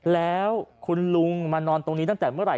แล้วคุณลุงมานอนตรงนี้ตั้งแต่เมื่อไห